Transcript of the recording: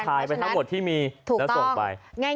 ถ่ายไปทั้งหมดที่มีถูกแล้วส่งไป